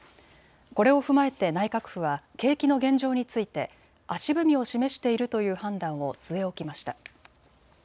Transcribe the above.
これを踏まえて内閣府は景気の現状について足踏みを示しているという判断を据え置きました。